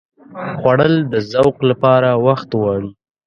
خوړل د ذوق لپاره وخت غواړي